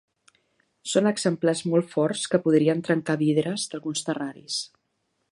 Són exemplars molt forts que podrien trencar vidres d'alguns terraris.